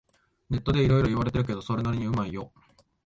ネットでいろいろ言われてるけど、それなりにうまいよ